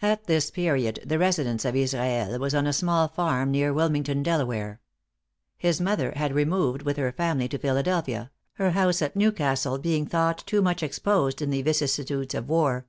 At this period the residence of Israel was on a small farm near Wilmington, Delaware. His mother had removed with her family to Philadelphia, her house at Newcastle being thought too much exposed in the vicissitudes of war.